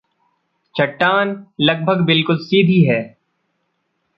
चट्टान लगभग बिलकुल सीधी है।